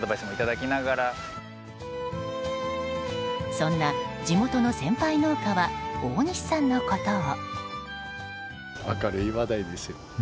そんな地元の先輩農家は大西さんのことを。